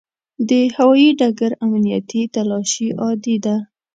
د هوایي ډګر امنیتي تلاشي عادي ده.